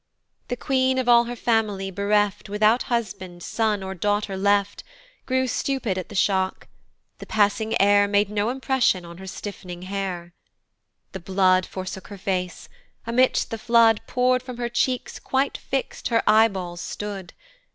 * "The queen of all her family bereft, "Without or husband, son, or daughter left, "Grew stupid at the shock. The passing air "Made no impression on her stiff'ning hair. * This Verse to the End is the Work of another Hand. "The blood forsook her face: amidst the flood "Pour'd from her cheeks, quite fix'd her eye balls "stood.